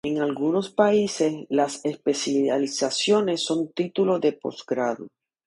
En algunos países las Especializaciones son títulos de posgrado.